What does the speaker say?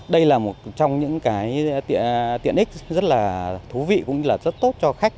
đây là một trong những cái tiện ích rất là thú vị cũng như là rất tốt cho khách